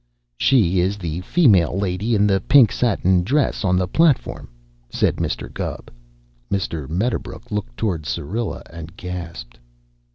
"She is the female lady in the pink satin dress on that platform," said Mr. Gubb. Mr. Medderbrook looked toward Syrilla and gasped.